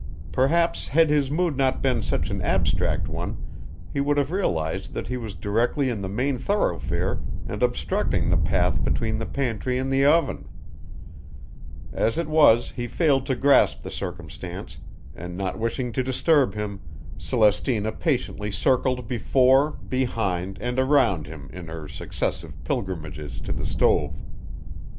Perhaps had his mood not been such an abstract one he would have realized that he was directly in the main thoroughfare and obstructing the path between the pantry and the oven. As it was he failed to grasp the circumstance, and not wishing to disturb him, Celestina patiently circled before, behind and around him in her successive pilgrimages to the stove.